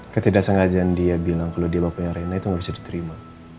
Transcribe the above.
ketidaksengajaan dia bilang kalau dia bapanya reina itu nggak bisa diterima